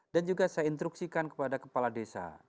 dan juga saya instruksikan kepada kepala desa